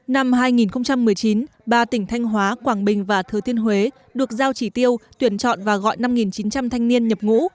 năm hai nghìn một mươi chín ba tỉnh thanh hóa quảng bình và thừa thiên huế được giao chỉ tiêu tuyển chọn và gọi năm chín trăm linh thanh niên nhập ngũ